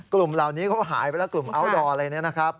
กลุ่มเหล่านี้ก็หายไปแล้วกลุ่มอัลโดร์เลยนะครับ